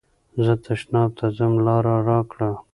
زه تشناب ته ځم لاره راکړه.